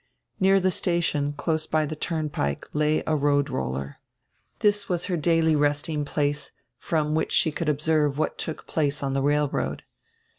Near die station, close by die turnpike, lay a road roller. This was her daily resting place, from which she could observe what took place on die railroad.